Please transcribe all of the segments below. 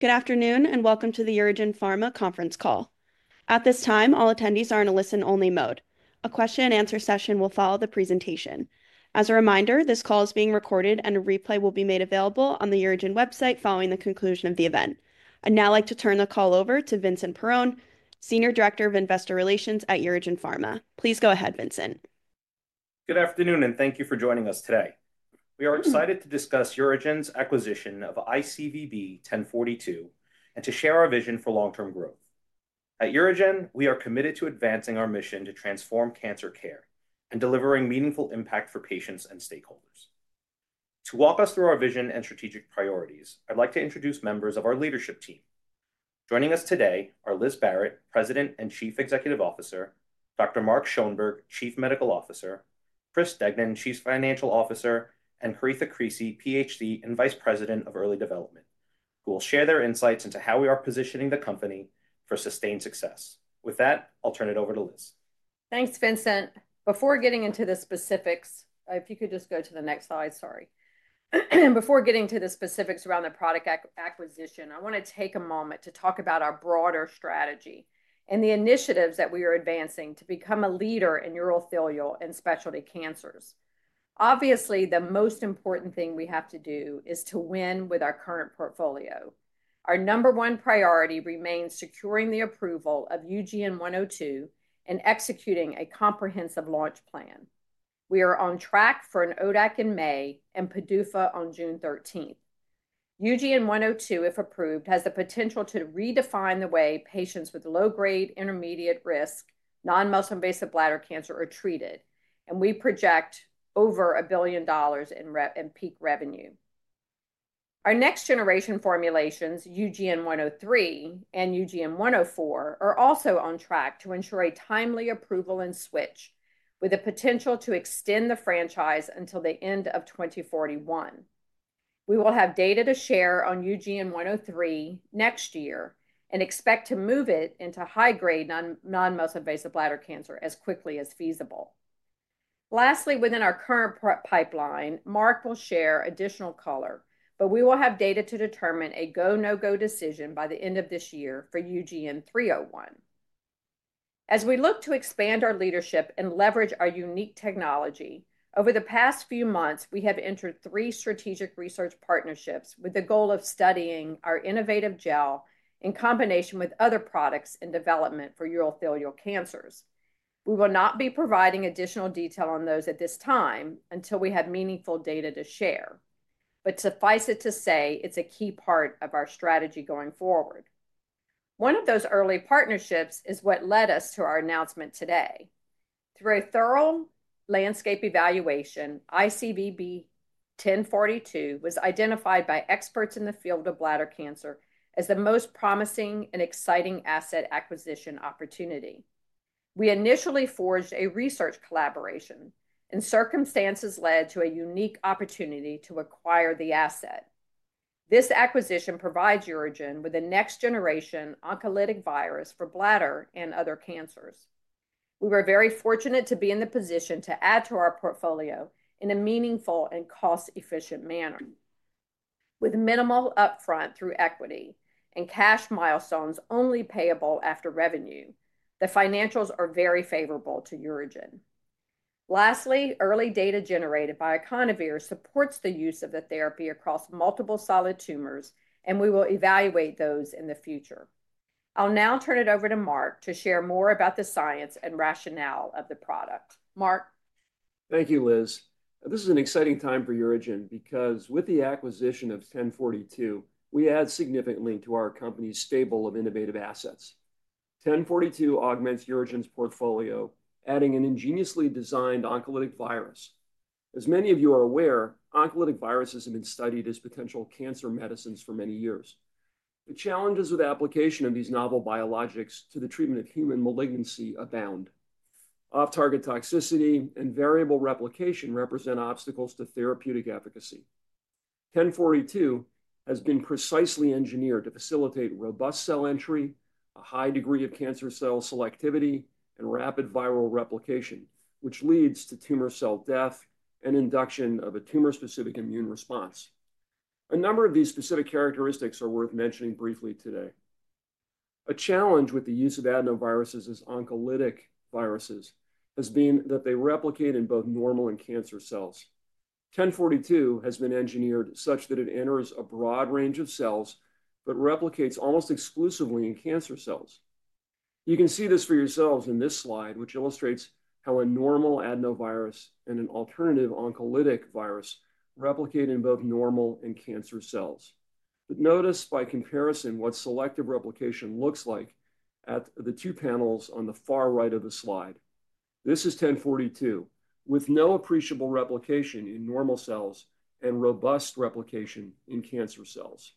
Good afternoon, and welcome to the UroGen Pharma conference call. At this time, all attendees are in a listen-only mode. A question-and-answer session will follow the presentation. As a reminder, this call is being recorded, and a replay will be made available on the UroGen website following the conclusion of the event. I'd now like to turn the call over to Vincent Perrone, Senior Director of Investor Relations at UroGen Pharma. Please go ahead, Vincent. Good afternoon, and thank you for joining us today. We are excited to discuss UroGen's acquisition of ICVB-1042 and to share our vision for long-term growth. At UroGen, we are committed to advancing our mission to transform cancer care and delivering meaningful impact for patients and stakeholders. To walk us through our vision and strategic priorities, I'd like to introduce members of our leadership team. Joining us today are Liz Barrett, President and Chief Executive Officer, Dr. Mark Schoenberg, Chief Medical Officer, Chris Degnan, Chief Financial Officer, and Caretha Creasy, PhD and Vice President of Early Development, who will share their insights into how we are positioning the company for sustained success. With that, I'll turn it over to Liz. Thanks, Vincent. Before getting into the specifics, if you could just go to the next slide, sorry, before getting to the specifics around the product acquisition, I want to take a moment to talk about our broader strategy and the initiatives that we are advancing to become a leader in urothelial and specialty cancers. Obviously, the most important thing we have to do is to win with our current portfolio. Our number 1 priority remains securing the approval of UGN-102 and executing a comprehensive launch plan. We are on track for an ODAC in May and PDUFA on June 13th. UGN-102, if approved, has the potential to redefine the way patients with low-grade, intermediate-risk, non-muscle-invasive bladder cancer are treated, and we project over $1 billion in peak revenue. Our next-generation formulations, UGN-103 and UGN-104, are also on track to ensure a timely approval and switch, with the potential to extend the franchise until the end of 2041. We will have data to share on UGN-103 next year and expect to move it into high-grade, non-muscle-invasive bladder cancer as quickly as feasible. Lastly, within our current pipeline, Mark will share additional color, but we will have data to determine a go-no-go decision by the end of this year for UGN-301. As we look to expand our leadership and leverage our unique technology, over the past few months, we have entered three strategic research partnerships with the goal of studying our innovative gel in combination with other products in development for urothelial cancers. We will not be providing additional detail on those at this time until we have meaningful data to share, but suffice it to say, it's a key part of our strategy going forward. One of those early partnerships is what led us to our announcement today. Through a thorough landscape evaluation, ICVB-1042 was identified by experts in the field of bladder cancer as the most promising and exciting asset acquisition opportunity. We initially forged a research collaboration, and circumstances led to a unique opportunity to acquire the asset. This acquisition provides UroGen with a next-generation oncolytic virus for bladder and other cancers. We were very fortunate to be in the position to add to our portfolio in a meaningful and cost-efficient manner. With minimal upfront through equity and cash milestones only payable after revenue, the financials are very favorable to UroGen. Lastly, early data generated by IconOVir supports the use of the therapy across multiple solid tumors, and we will evaluate those in the future. I'll now turn it over to Mark to share more about the science and rationale of the product. Mark. Thank you, Liz. This is an exciting time for UroGen because, with the acquisition of 1042, we add significantly to our company's stable of innovative assets. 1042 augments UroGen's portfolio, adding an ingeniously designed oncolytic virus. As many of you are aware, oncolytic viruses have been studied as potential cancer medicines for many years. The challenges with application of these novel biologics to the treatment of human malignancy abound. Off-target toxicity and variable replication represent obstacles to therapeutic efficacy. 1042 has been precisely engineered to facilitate robust cell entry, a high degree of cancer cell selectivity, and rapid viral replication, which leads to tumor cell death and induction of a tumor-specific immune response. A number of these specific characteristics are worth mentioning briefly today. A challenge with the use of adenoviruses as oncolytic viruses has been that they replicate in both normal and cancer cells. 1042 has been engineered such that it enters a broad range of cells but replicates almost exclusively in cancer cells. You can see this for yourselves in this slide, which illustrates how a normal adenovirus and an alternative oncolytic virus replicate in both normal and cancer cells. But notice, by comparison, what selective replication looks like at the two panels on the far right of the slide. This is 1042, with no appreciable replication in normal cells and robust replication in cancer cells.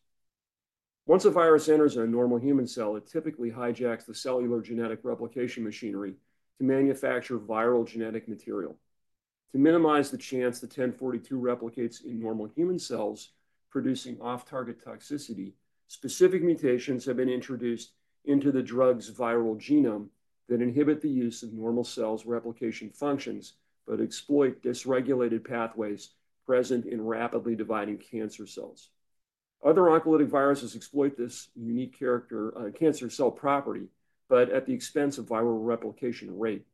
Once a virus enters a normal human cell, it typically hijacks the cellular genetic replication machinery to manufacture viral genetic material. To minimize the chance that 1042 replicates in normal human cells, producing off-target toxicity, specific mutations have been introduced into the drug's viral genome that inhibit the use of normal cells' replication functions but exploit dysregulated pathways present in rapidly dividing cancer cells. Other oncolytic viruses exploit this unique character, cancer cell property, but at the expense of viral replication rate.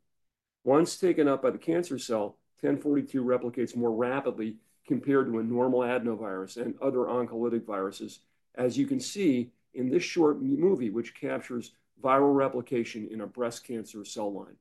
Once taken up by the cancer cell, 1042 replicates more rapidly compared to a normal adenovirus and other oncolytic viruses, as you can see in this short movie, which captures viral replication in a breast cancer cell line.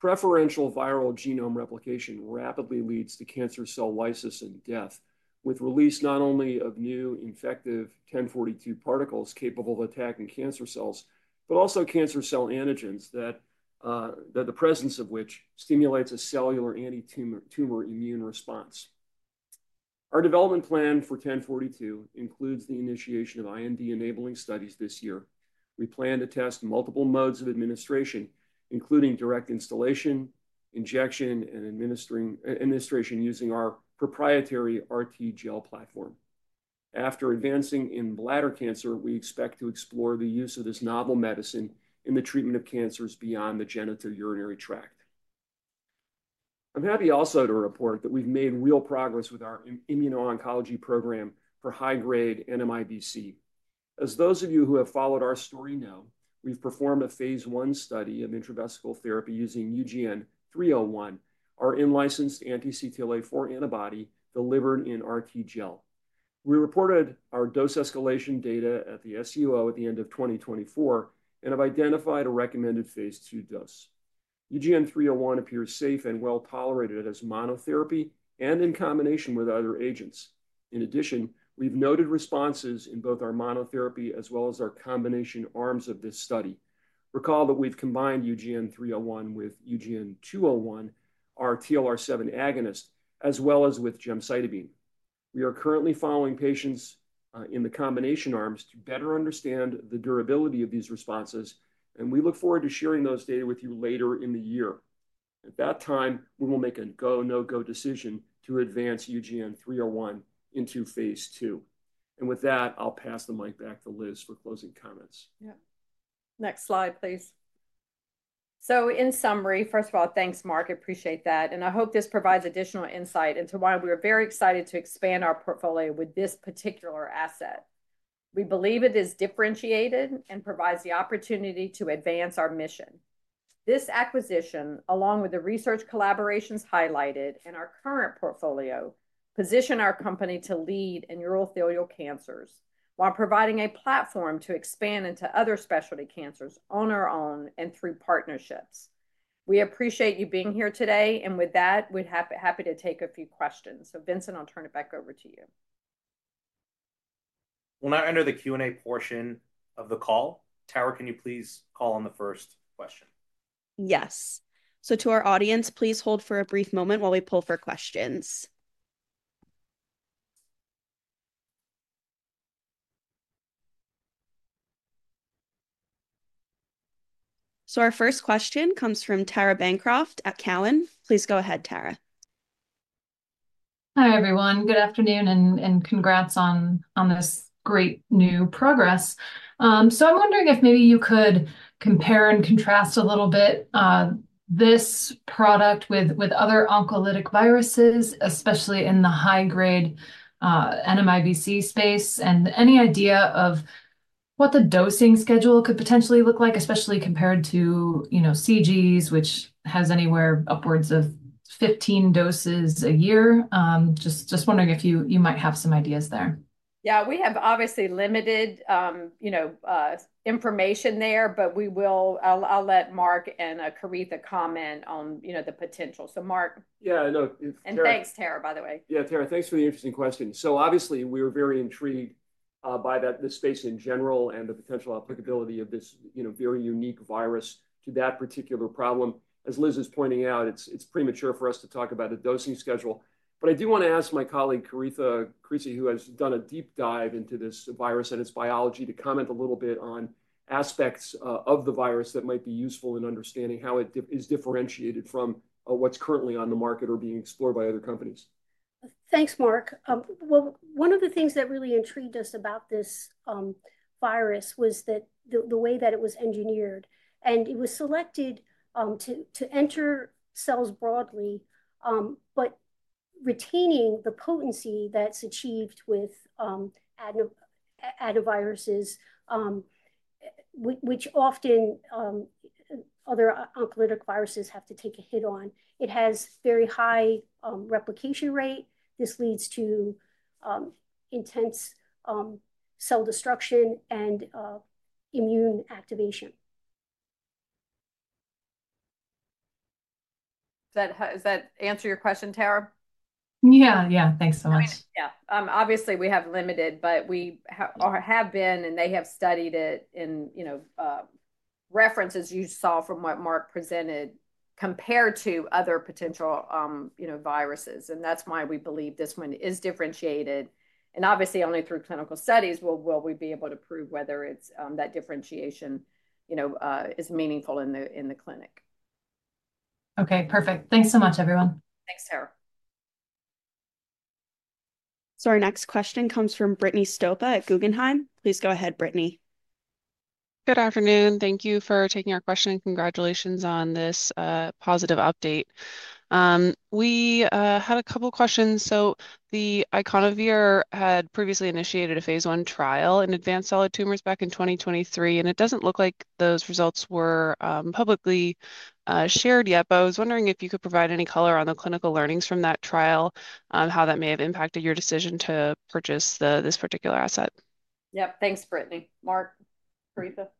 Preferential viral genome replication rapidly leads to cancer cell lysis and death, with release not only of new infective 1042 particles capable of attacking cancer cells, but also cancer cell antigens that the presence of which stimulates a cellular anti-tumor immune response. Our development plan for 1042 includes the initiation of IND-enabling studies this year. We plan to test multiple modes of administration, including direct instillation, injection, and administration using our proprietary RTGel platform. After advancing in bladder cancer, we expect to explore the use of this novel medicine in the treatment of cancers beyond the genitourinary tract. I'm happy also to report that we've made real progress with our immuno-oncology program for high-grade NMIBC. As those of you who have followed our story know, we've performed a Phase 1 study of intravesical therapy using UGN-301, our in-licensed anti-CTLA-4 antibody delivered in RTGel. We reported our dose escalation data at the SUO at the end of 2024 and have identified a recommended Phase 2 dose. UGN-301 appears safe and well tolerated as monotherapy and in combination with other agents. In addition, we've noted responses in both our monotherapy as well as our combination arms of this study. Recall that we've combined UGN-301 with UGN-201, our TLR7 agonist, as well as with gemcitabine. We are currently following patients in the combination arms to better understand the durability of these responses, and we look forward to sharing those data with you later in the year. At that time, we will make a go-no-go decision to advance UGN-301 into Phase 2, and with that, I'll pass the mic back to Liz for closing comments. Yeah. Next slide, please. So in summary, first of all, thanks, Mark. I appreciate that. And I hope this provides additional insight into why we are very excited to expand our portfolio with this particular asset. We believe it is differentiated and provides the opportunity to advance our mission. This acquisition, along with the research collaborations highlighted in our current portfolio, positions our company to lead in urothelial cancers while providing a platform to expand into other specialty cancers on our own and through partnerships. We appreciate you being here today. And with that, we're happy to take a few questions. So Vincent, I'll turn it back over to you. We'll now enter the Q&A portion of the call. Tara, can you please call on the first question? Yes. So to our audience, please hold for a brief moment while we pull for questions. So our first question comes from Tara Bancroft at TD Cowen. Please go ahead, Tara. Hi everyone. Good afternoon and congrats on this great new progress. So I'm wondering if maybe you could compare and contrast a little bit this product with other oncolytic viruses, especially in the high-grade NMIBC space, and any idea of what the dosing schedule could potentially look like, especially compared to BCG, which has anywhere upwards of 15 doses a year? Just wondering if you might have some ideas there? Yeah, we have obviously limited information there, but I'll let Mark and Caretha comment on the potential. So Mark. Yeah, no. Thanks, Tara, by the way. Yeah, Tara, thanks for the interesting question. So obviously, we were very intrigued by the space in general and the potential applicability of this very unique virus to that particular problem. As Liz is pointing out, it's premature for us to talk about the dosing schedule. But I do want to ask my colleague Caretha Creasy, who has done a deep dive into this virus and its biology, to comment a little bit on aspects of the virus that might be useful in understanding how it is differentiated from what's currently on the market or being explored by other companies. Thanks, Mark. Well, one of the things that really intrigued us about this virus was the way that it was engineered. And it was selected to enter cells broadly, but retaining the potency that's achieved with adenoviruses, which often other oncolytic viruses have to take a hit on. It has very high replication rate. This leads to intense cell destruction and immune activation. Does that answer your question, Tara? Yeah, yeah. Thanks so much. Yeah. Obviously, we have limited, but we have been, and they have studied it in references you saw from what Mark presented compared to other potential viruses, and that's why we believe this one is differentiated, and obviously, only through clinical studies will we be able to prove whether that differentiation is meaningful in the clinic. Okay, perfect. Thanks so much, everyone. Thanks, Tara. So our next question comes from Brittany Stopa at Guggenheim. Please go ahead, Brittany. Good afternoon. Thank you for taking our question. Congratulations on this positive update. We had a couple of questions. So the IconOVir had previously initiated a Phase 1 trial in advanced solid tumors back in 2023, and it doesn't look like those results were publicly shared yet. But I was wondering if you could provide any color on the clinical learnings from that trial, how that may have impacted your decision to purchase this particular asset. Yep. Thanks, Brittany. Mark, Caretha? Yeah, I agree with that. Yeah. So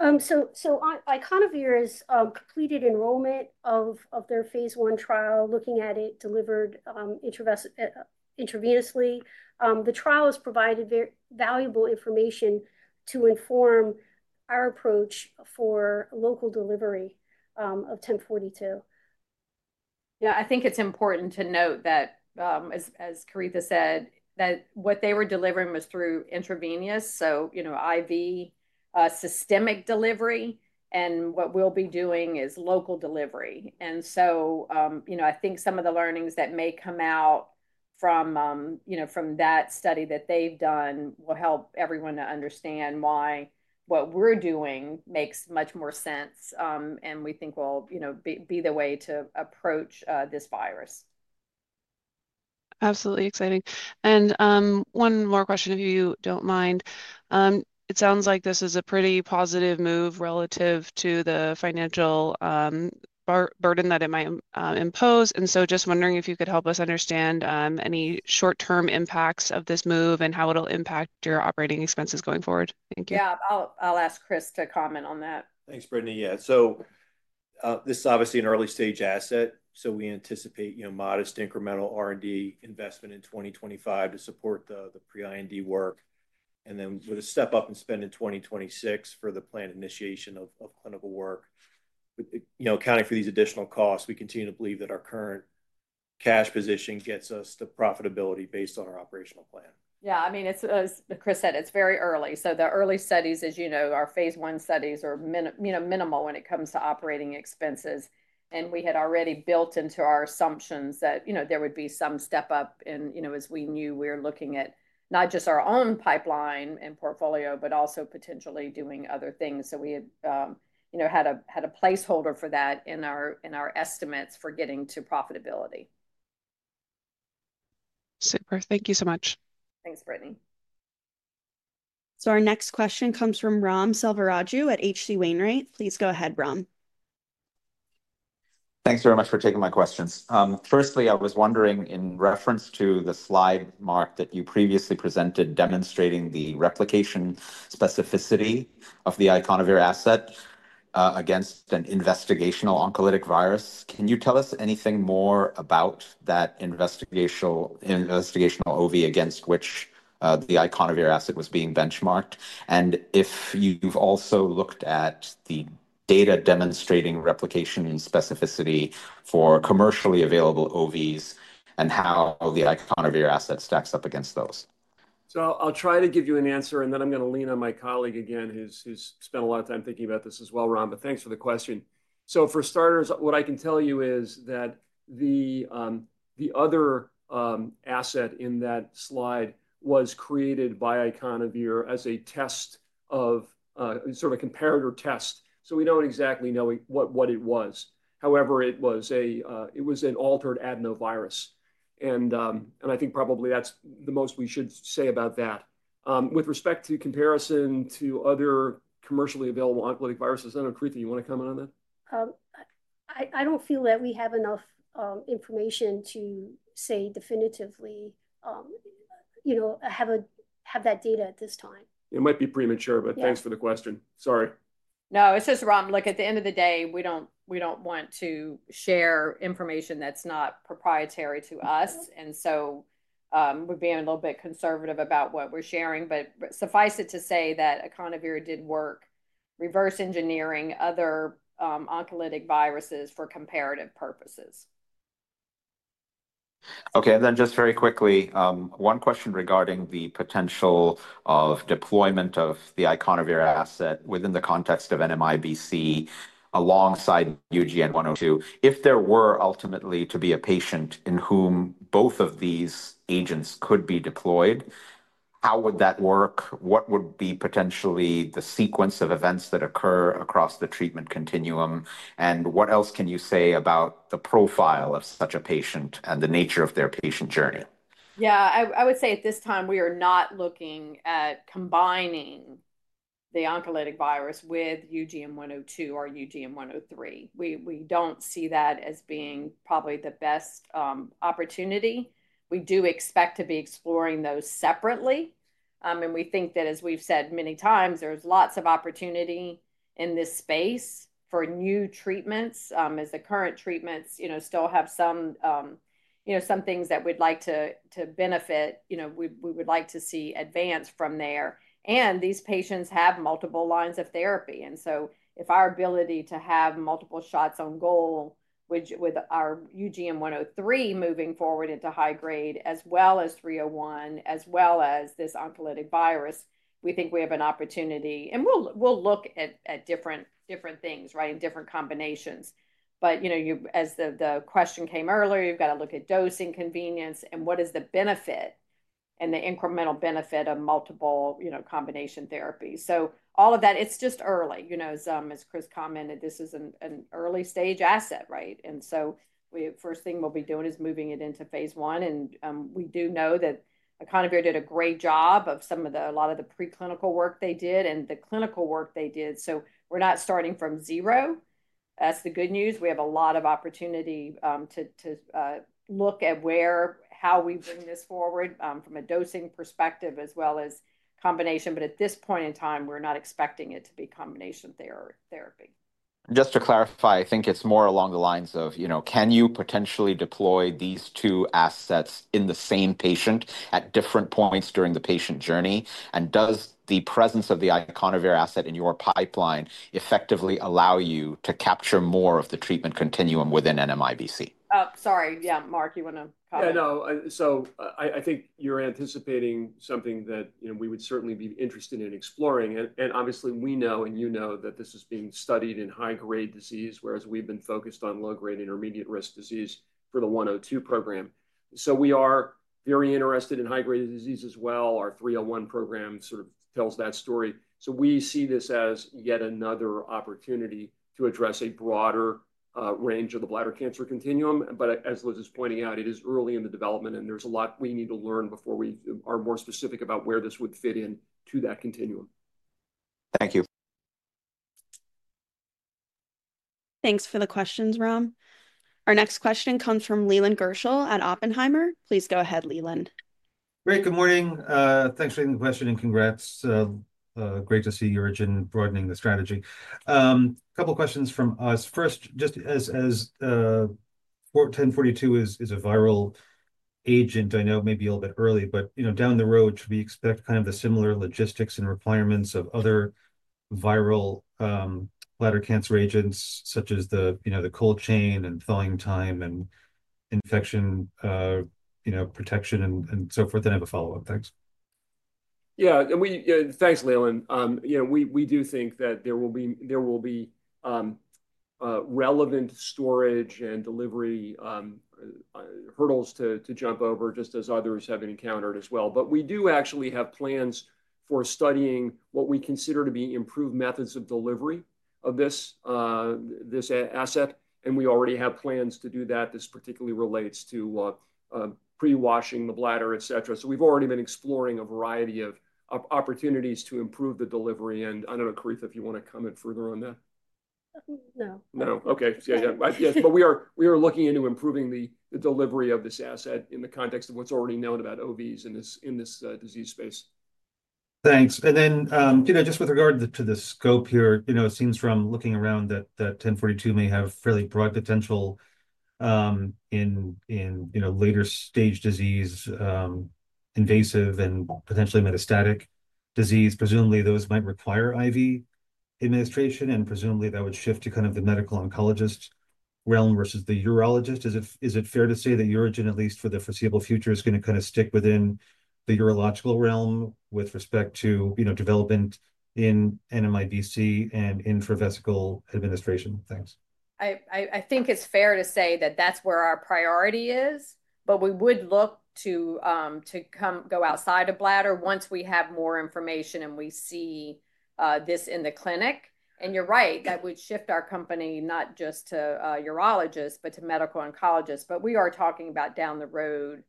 IconOVir has completed enrollment of their Phase 1 trial, looking at it delivered intravenously. The trial has provided valuable information to inform our approach for local delivery of 1042. Yeah, I think it's important to note that, as Caretha said, that what they were delivering was through intravenous, so IV systemic delivery. And what we'll be doing is local delivery. And so I think some of the learnings that may come out from that study that they've done will help everyone to understand why what we're doing makes much more sense, and we think will be the way to approach this virus. Absolutely exciting. And one more question, if you don't mind. It sounds like this is a pretty positive move relative to the financial burden that it might impose. And so just wondering if you could help us understand any short-term impacts of this move and how it'll impact your operating expenses going forward? Thank you. Yeah, I'll ask Chris to comment on that. Thanks, Brittany. Yeah. So this is obviously an early-stage asset. So we anticipate modest incremental R&D investment in 2025 to support the pre-IND work, and then with a step-up in spend in 2026 for the planned initiation of clinical work. Accounting for these additional costs, we continue to believe that our current cash position gets us to profitability based on our operational plan. Yeah, I mean, as Chris said, it's very early. So the early studies, as you know, our Phase 1 studies are minimal when it comes to operating expenses. And we had already built into our assumptions that there would be some step-up as we knew we were looking at not just our own pipeline and portfolio, but also potentially doing other things. So we had a placeholder for that in our estimates for getting to profitability. Super. Thank you so much. Thanks, Brittany. So our next question comes from Ram Selvaraju at H.C. Wainwright. Please go ahead, Ram. Thanks very much for taking my questions. Firstly, I was wondering in reference to the slide, Mark, that you previously presented demonstrating the replication specificity of the IconOVir asset against an investigational oncolytic virus. Can you tell us anything more about that investigational OV against which the IconOVir asset was being benchmarked? And if you've also looked at the data demonstrating replication and specificity for commercially available OVs and how the IconOVir asset stacks up against those. I'll try to give you an answer, and then I'm going to lean on my colleague again who's spent a lot of time thinking about this as well, Ram. But thanks for the question. For starters, what I can tell you is that the other asset in that slide was created by IconOVir as a test of sort of a comparator test. So we don't exactly know what it was. However, it was an altered adenovirus. And I think probably that's the most we should say about that. With respect to comparison to other commercially available oncolytic viruses, I don't know, Caretha. You want to comment on that? I don't feel that we have enough information to say definitively have that data at this time. It might be premature, but thanks for the question. Sorry. No, it's just, Ram, look, at the end of the day, we don't want to share information that's not proprietary to us, and so we're being a little bit conservative about what we're sharing, but suffice it to say that IconOVir did work reverse engineering other oncolytic viruses for comparative purposes. Okay. And then just very quickly, one question regarding the potential of deployment of the IconOVir asset within the context of NMIBC alongside UGN-102. If there were ultimately to be a patient in whom both of these agents could be deployed, how would that work? What would be potentially the sequence of events that occur across the treatment continuum? And what else can you say about the profile of such a patient and the nature of their patient journey? Yeah, I would say at this time, we are not looking at combining the oncolytic virus with UGN-102 or UGN-103. We don't see that as being probably the best opportunity. We do expect to be exploring those separately. And we think that, as we've said many times, there's lots of opportunity in this space for new treatments as the current treatments still have some things that we'd like to benefit. We would like to see advance from there. And these patients have multiple lines of therapy. And so if our ability to have multiple shots on goal with our UGN-103 moving forward into high-grade as well as UGN-301 as well as this oncolytic virus, we think we have an opportunity. And we'll look at different things, right, and different combinations. But as the question came earlier, you've got to look at dosing convenience and what is the benefit and the incremental benefit of multiple combination therapies. So all of that, it's just early. As Chris commented, this is an early-stage asset, right? And so the first thing we'll be doing is moving it into Phase 1. And we do know that IconOVir did a great job of a lot of the preclinical work they did and the clinical work they did. So we're not starting from zero. That's the good news. We have a lot of opportunity to look at how we bring this forward from a dosing perspective as well as combination. But at this point in time, we're not expecting it to be combination therapy. Just to clarify, I think it's more along the lines of, can you potentially deploy these two assets in the same patient at different points during the patient journey? And does the presence of the IconOVir asset in your pipeline effectively allow you to capture more of the treatment continuum within NMIBC? Sorry. Yeah, Mark, you want to comment? Yeah, no. So I think you're anticipating something that we would certainly be interested in exploring. And obviously, we know and you know that this is being studied in high-grade disease, whereas we've been focused on low-grade and intermediate-risk disease for the 102 program. So we are very interested in high-grade disease as well. Our 301 program sort of tells that story. So we see this as yet another opportunity to address a broader range of the bladder cancer continuum. But as Liz is pointing out, it is early in the development, and there's a lot we need to learn before we are more specific about where this would fit into that continuum. Thank you. Thanks for the questions, Ram. Our next question comes from Leland Gershell at Oppenheimer. Please go ahead, Leland. Great. Good morning. Thanks for the question and congrats. Great to see your horizon broadening the strategy. A couple of questions from us. First, just as 1042 is a viral agent, I know maybe a little bit early, but down the road, should we expect kind of the similar logistics and requirements of other viral bladder cancer agents such as the cold chain and thawing time and infection protection and so forth? I have a follow-up. Thanks. Yeah. Thanks, Leland. We do think that there will be relevant storage and delivery hurdles to jump over just as others have encountered as well. But we do actually have plans for studying what we consider to be improved methods of delivery of this asset. And we already have plans to do that. This particularly relates to pre-washing the bladder, etc. So we've already been exploring a variety of opportunities to improve the delivery. And I don't know, Caretha, if you want to comment further on that. No. No. Okay. Yeah, yeah. But we are looking into improving the delivery of this asset in the context of what's already known about OVs in this disease space. Thanks. And then just with regard to the scope here, it seems from looking around that 1042 may have fairly broad potential in later-stage disease, invasive, and potentially metastatic disease. Presumably, those might require IV administration, and presumably, that would shift to kind of the medical oncologist realm versus the urologist. Is it fair to say that your origin, at least for the foreseeable future, is going to kind of stick within the urological realm with respect to development in NMIBC and intravesical administration? Thanks. I think it's fair to say that that's where our priority is. But we would look to go outside of bladder once we have more information and we see this in the clinic. And you're right, that would shift our company not just to urologists, but to medical oncologists. But we are talking about down the road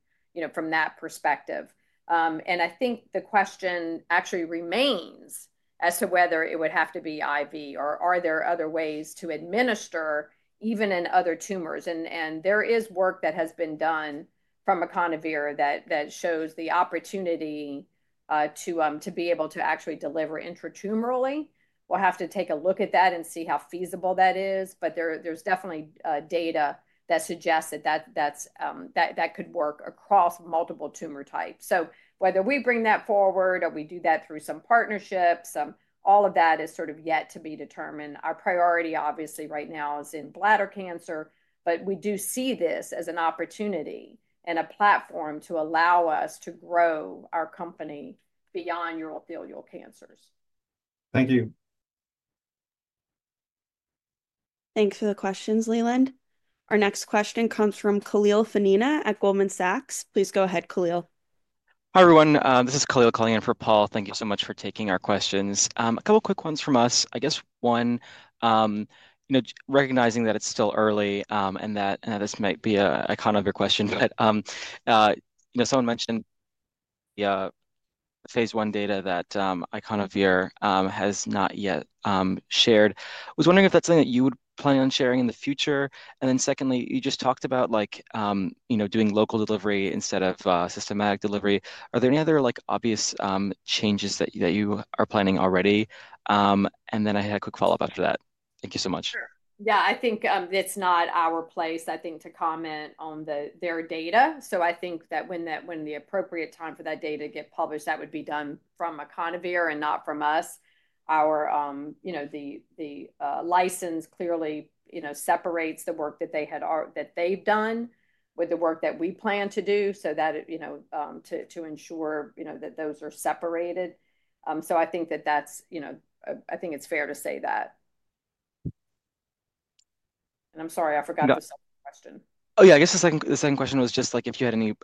from that perspective. And I think the question actually remains as to whether it would have to be IV, or are there other ways to administer even in other tumors? And there is work that has been done from IconOVir that shows the opportunity to be able to actually deliver intratumorally. We'll have to take a look at that and see how feasible that is. But there's definitely data that suggests that that could work across multiple tumor types. Whether we bring that forward or we do that through some partnerships, all of that is sort of yet to be determined. Our priority, obviously, right now is in bladder cancer, but we do see this as an opportunity and a platform to allow us to grow our company beyond urothelial cancers. Thank you. Thanks for the questions, Leland. Our next question comes from Khalil Fanina at Goldman Sachs. Please go ahead, Khalil. Hi, everyone. This is Khalil calling in for Paul. Thank you so much for taking our questions. A couple of quick ones from us. I guess one, recognizing that it's still early and that this might be an IconOVir question, but someone mentioned the Phase 1 data that IconOVir has not yet shared. I was wondering if that's something that you would plan on sharing in the future. And then secondly, you just talked about doing local delivery instead of systemic delivery. Are there any other obvious changes that you are planning already? And then I had a quick follow-up after that. Thank you so much. Sure. Yeah, I think it's not our place, I think, to comment on their data. So I think that when the appropriate time for that data to get published, that would be done from IconOVir and not from us. The license clearly separates the work that they've done with the work that we plan to do to ensure that those are separated. So I think that that's I think it's fair to say that. And I'm sorry, I forgot to say the question. Oh, yeah. I guess the second question was just if you had any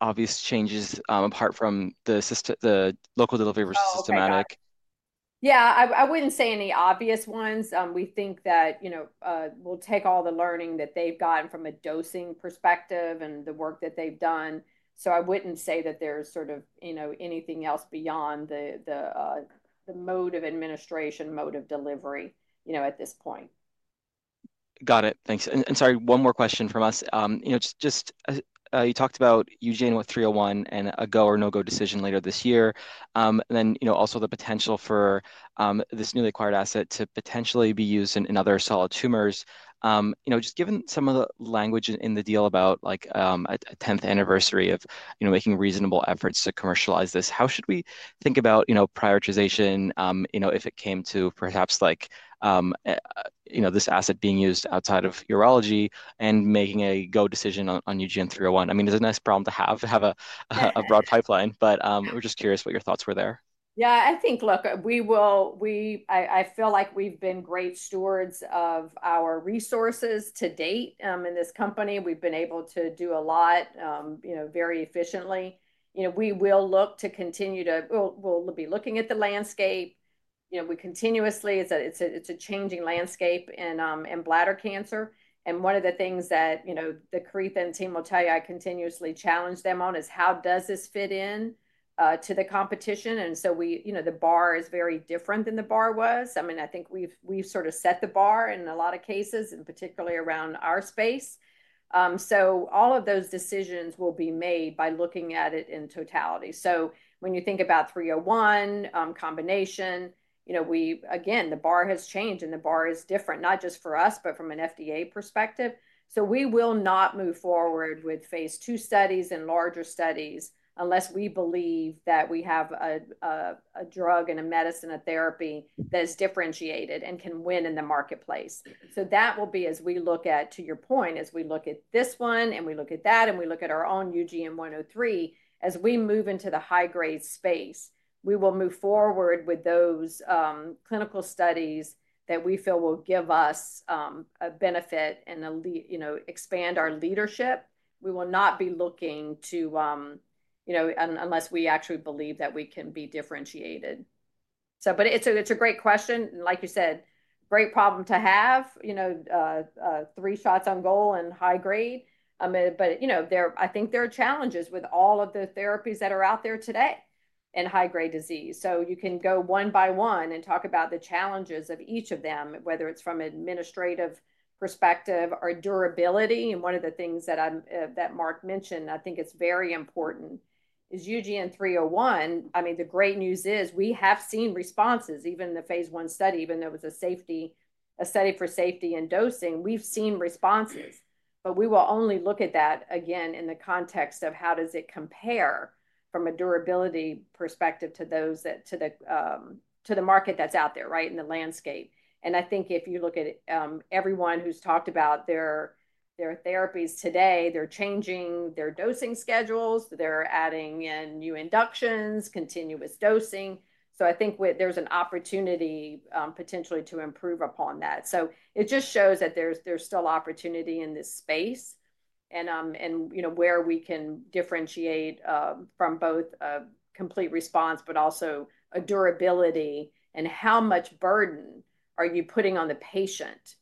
obvious changes apart from the local delivery versus systemic. Yeah, I wouldn't say any obvious ones. We think that we'll take all the learning that they've gotten from a dosing perspective and the work that they've done. So I wouldn't say that there's sort of anything else beyond the mode of administration, mode of delivery at this point. Got it. Thanks. And sorry, one more question from us. You talked about UGN-301 and a go or no-go decision later this year. And then also the potential for this newly acquired asset to potentially be used in other solid tumors. Just given some of the language in the deal about a 10th anniversary of making reasonable efforts to commercialize this, how should we think about prioritization if it came to perhaps this asset being used outside of urology and making a go decision on UGN-301? I mean, it's a nice problem to have a broad pipeline, but we're just curious what your thoughts were there. Yeah, I think, look, I feel like we've been great stewards of our resources to date in this company. We've been able to do a lot very efficiently. We will look to continue to. We'll be looking at the landscape continuously. It's a changing landscape in bladder cancer. And one of the things that the Caretha and team will tell you I continuously challenge them on is how does this fit into the competition? And so the bar is very different than the bar was. I mean, I think we've sort of set the bar in a lot of cases, and particularly around our space. So all of those decisions will be made by looking at it in totality. So when you think about 301 combination, again, the bar has changed and the bar is different, not just for us, but from an FDA perspective. So we will not move forward with Phase 2 studies and larger studies unless we believe that we have a drug and a medicine, a therapy that is differentiated and can win in the marketplace, so that will be as we look at, to your point, as we look at this one and we look at that and we look at our own UGN-103, as we move into the high-grade space, we will move forward with those clinical studies that we feel will give us a benefit and expand our leadership. We will not be looking to unless we actually believe that we can be differentiated. But it's a great question, and like you said, great problem to have three shots on goal and high-grade, but I think there are challenges with all of the therapies that are out there today in high-grade disease. So you can go one by one and talk about the challenges of each of them, whether it's from an administrative perspective or durability. And one of the things that Mark mentioned, I think it's very important, is UGN-301. I mean, the great news is we have seen responses even in the Phase 1 study, even though it was a study for safety and dosing. We've seen responses. But we will only look at that again in the context of how does it compare from a durability perspective to the market that's out there, right, in the landscape. And I think if you look at everyone who's talked about their therapies today, they're changing their dosing schedules. They're adding in new inductions, continuous dosing. So I think there's an opportunity potentially to improve upon that. So it just shows that there's still opportunity in this space and where we can differentiate from both a complete response, but also a durability and how much burden are you putting on the patient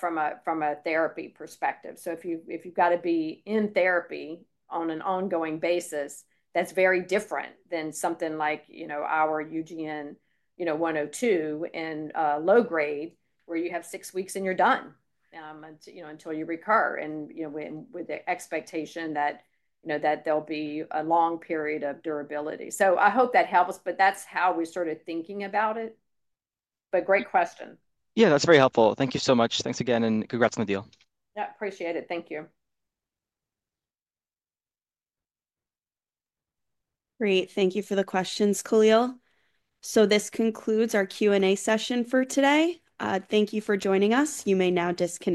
from a therapy perspective. So if you've got to be in therapy on an ongoing basis, that's very different than something like our UGN-102 in low-grade, where you have six weeks and you're done until you recur with the expectation that there'll be a long period of durability. So I hope that helps, but that's how we started thinking about it. But great question. Yeah, that's very helpful. Thank you so much. Thanks again, and congrats on the deal. Yeah, appreciate it. Thank you. Great. Thank you for the questions, Khalil. So this concludes our Q&A session for today. Thank you for joining us. You may now disconnect.